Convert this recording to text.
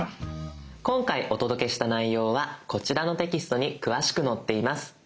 今回お届けした内容はこちらのテキストに詳しく載っています。